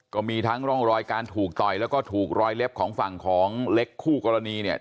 ก็มีทั้งร่องรอยการถูกต่อยแล้วก็ถูกรอยเล็บของฝั่งของเล็กคู่กรณีเนี่ย